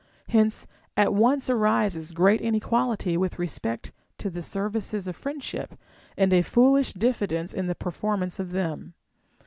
Hence at once arises great ine quality Λvith respect to the services of friendship, and a foolish diffidence in the performance of them.